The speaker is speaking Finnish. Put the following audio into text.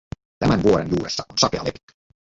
Tämän vuoren juuressa on sakea lepikko.